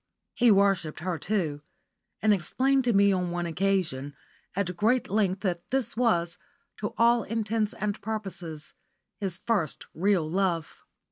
He worshipped her too, and explained to me on one occasion, at great length, that this was, to all intents and purposes, his first real love.